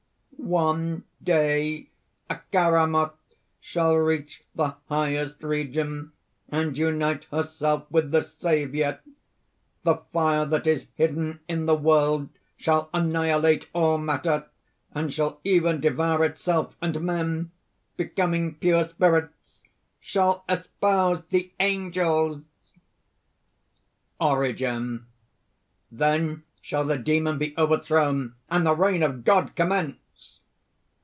"One day Acharamoth shall reach the highest region and unite herself with the Saviour; the fire that is hidden in the world shall annihilate all matter, and shall even devour itself and men, becoming pure spirits, shall espouse the angels!" ORIGEN. "Then shall the Demon be over thrown and the reign of God commence!"